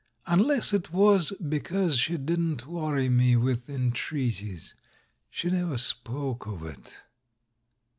Unless it was because she didn't worry me with entreaties. She never 364 A REVERIE 365 spoke of it.